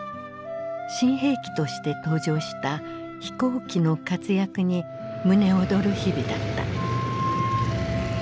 新兵器として登場した飛行機の活躍に胸躍る日々だった。